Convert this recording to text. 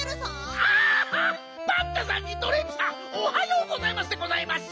あっパンタさんにドレープさんおはようございますでございます！